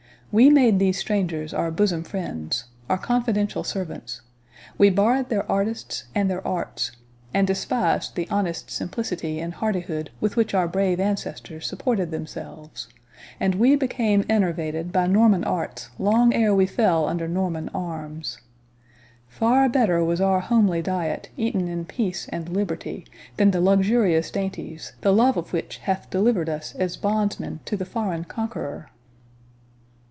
We made these strangers our bosom friends, our confidential servants; we borrowed their artists and their arts, and despised the honest simplicity and hardihood with which our brave ancestors supported themselves, and we became enervated by Norman arts long ere we fell under Norman arms. Far better was our homely diet, eaten in peace and liberty, than the luxurious dainties, the love of which hath delivered us as bondsmen to the foreign conqueror!"